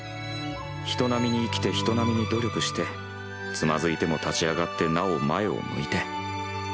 人並みに生きて人並みに努力してつまずいても立ち上がってなお前を向いて。